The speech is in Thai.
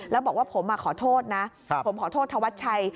แล้วบอกว่าผมขอโทษนะผมขอโทษธวัชชัย